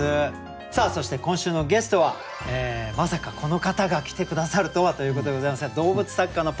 さあそして今週のゲストはまさかこの方が来て下さるとはということでございますが動物作家のパンク町田さんです。